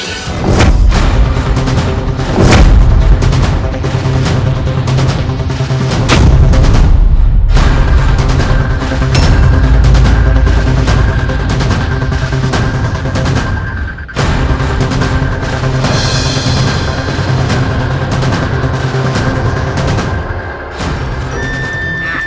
raka apakah tidak ada cara itu